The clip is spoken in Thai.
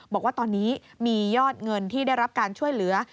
บอกว่าตอนนี้มียอดเงินที่ได้รับการช่วยเหลือ